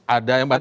ada yang bantah